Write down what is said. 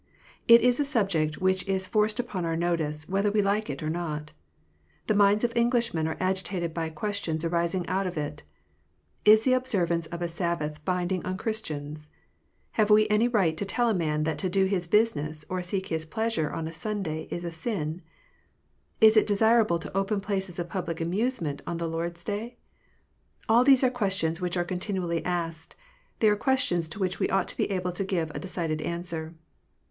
It is a subject which is forced upon our notice, whether we like it or not. The minds of Englishmen are agitated by questions arising out of it. "Is the observance of a Sabbath binding on Christians ? Have we any right to tell a man that to do his business or seek his pleasure on a Sunday is a sin 1 Is it desirable to open places of public amusement on the Lord s Day ?" All these are questions which are continually asked. They are questions to which we ought to be able to give a decided answer.